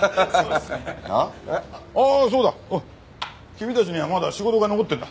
君たちにはまだ仕事が残ってるんだ。